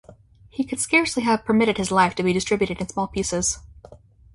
He could scarcely have permitted his life to be distributed in small pieces.